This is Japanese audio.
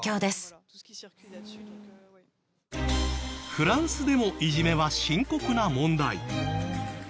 フランスでもいじめは深刻な問題。